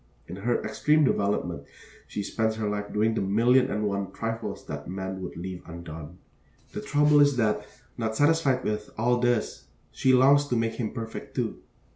In her extreme development she spends her life doing the million and one trifles that man would leave undone. The trouble is that, not satisfied with all this, she longs to make him perfect, too.